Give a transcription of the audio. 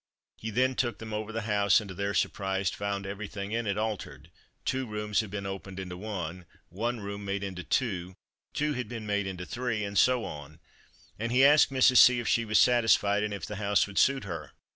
He then took them over the house, and to their surprise found everything in it altered: two rooms had been opened into one, one room made into two, two had been made into three, and so on, and he asked Mrs. C if she was satisfied and if the house would suit her?